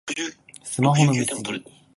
スマホの見過ぎ